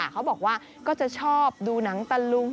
เขาบอกว่าก็จะชอบดูหนังตะลุง